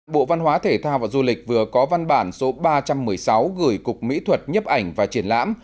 bộ văn hóa thể thao và du lịch vừa có văn bản số ba trăm một mươi sáu gửi cục mỹ thuật nhấp ảnh và triển lãm